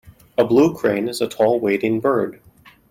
A blue crane is a tall wading bird.